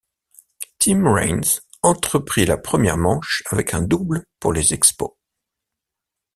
Tim Raines entreprit la première manche avec un double pour les Expos.